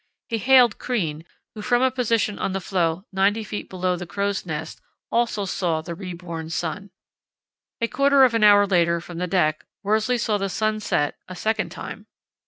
He hailed Crean, who from a position on the floe 90 ft. below the crow's nest also saw the re born sun. A quarter of an hour later from the deck Worsley saw the sun set a second time.